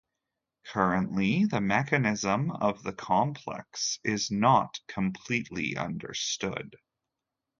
Currently, the mechanism of the complex is not completely understood.